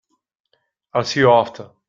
I'll see you after.